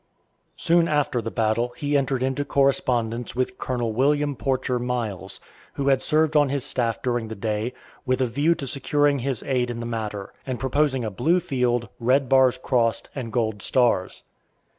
Soon after the battle he entered into correspondence with Colonel William Porcher Miles, who had served on his staff during the day, with a view to securing his aid in the matter, and proposing a blue field, red bars crossed, and gold stars.